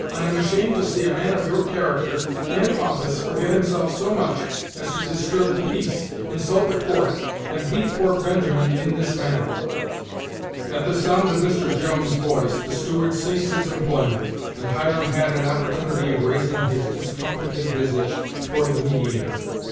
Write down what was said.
I am ashamed to see a man of your character and office forget himself so much as to disturb the peace, insult the court, and beat poor Benjamin in this manner!" At the sound of Mr. Jones' voice, the steward ceased his employment, and Hiram had an opportunity of raising his discomfited visage toward the mediator.